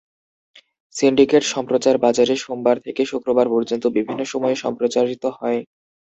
Syndicate সম্প্রচার বাজারে সোমবার থেকে শুক্রবার পর্যন্ত বিভিন্ন সময়ে সম্প্রচারিত হয়।